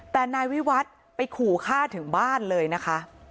แต่นายวิวัตรไปขู่ฆ่าถึงบ้านเลยนะคะ